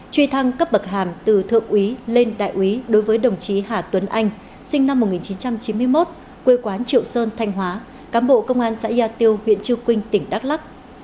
truy thăng cấp bậc hàm từ thượng úy lên đại úy đối với đồng chí hà tuấn anh sinh năm một nghìn chín trăm chín mươi một quê quán triệu sơn thanh hóa cán bộ công an xã gia tiêu huyện trư quynh tỉnh đắk lắc